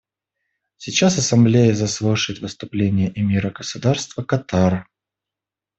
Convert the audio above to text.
Сейчас Ассамблея заслушает выступление эмира Государства Катар.